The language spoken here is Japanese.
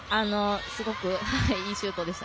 すごくいいシュートでした。